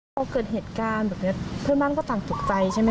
พอเกิดเหตุการณ์แบบนี้เพื่อนบ้านก็ต่างตกใจใช่ไหม